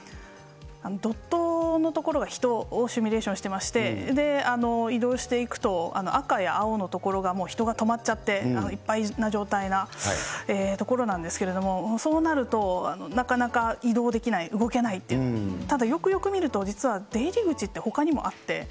ドットのところが人をシミュレーションしてまして、移動していくと、赤や青の所がもう人が止まっちゃって、いっぱいな状態な所なんですけれども、そうなると、なかなか移動できない、動けないって、ただよくよく見ると実は出入り口ってほかにもあって。